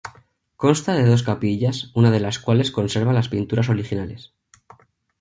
Consta de dos capillas una de las cuales conserva las pinturas originales.